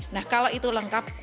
nah kalau itu lengkap